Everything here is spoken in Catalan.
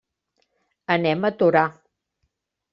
Anem a Torà.